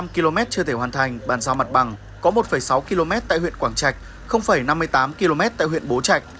một mươi km chưa thể hoàn thành bàn giao mặt bằng có một sáu km tại huyện quảng trạch năm mươi tám km tại huyện bố trạch